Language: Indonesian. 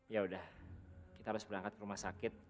yaudah kita harus berangkat ke rumah sakit